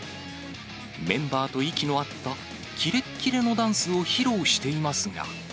メンバーと息の合った、キレッキレのダンスを披露していますが。